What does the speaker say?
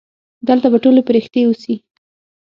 دلته به ټولې پرښتې اوسي.